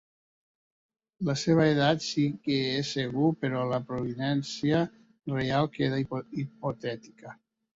La seva edat sí que és segur, però la provinença reial queda hipotètica.